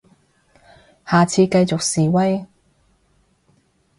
下次繼續示威